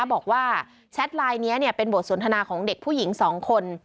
บอกว่าแชทไลน์นี้เป็นบทสนทนาของเด็กผู้หญิง๒คน